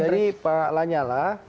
jadi pak lajala